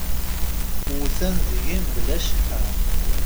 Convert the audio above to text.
Wwten deg-i mebla cceḥḥa.